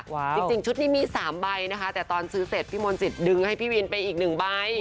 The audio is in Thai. จริงชุดนี้มี๓ใบนะคะแต่ตอนซื้อเสร็จพี่มนต์สิทธิดึงให้พี่วินไปอีกหนึ่งใบ